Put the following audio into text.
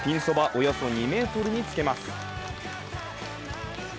およそ２ｍにつけます。